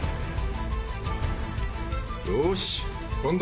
よし！